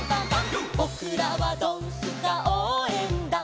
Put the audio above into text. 「ぼくらはドンスカおうえんだん」